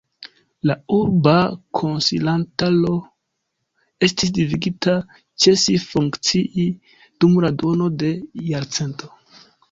La Urba Konsilantaro estis devigita ĉesi funkcii dum la duono de jarcento.